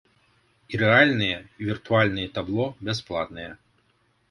І рэальныя, і віртуальныя табло бясплатныя.